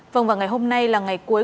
vâng và ngày hôm nay là ngày cuối